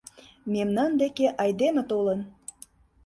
Мемнан деке айдеме толын!